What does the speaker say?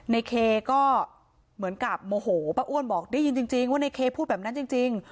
ในเคก็เหมือนกับโมโหป้าอ้วนบอกได้ยินจริงว่าในเคพูดแบบนั้นจริง